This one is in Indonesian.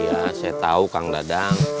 iya saya tahu kang dadang